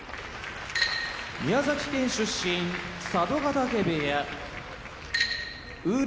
宮崎県出身佐渡ヶ嶽部屋宇良